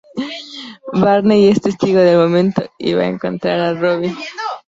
Barney es testigo del momento y va a encontrar a Robin.